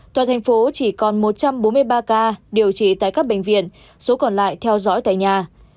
toàn thành phố chỉ còn một trăm bốn mươi ba ca điều trị tại các bệnh viện số còn lại theo dõi tại nhà